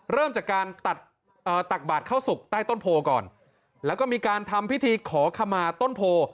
เริ่มจากการตัดตักบาดเข้าสุกใต้ต้นโพก่อนแล้วก็มีการทำพิธีขอขมาต้นโพ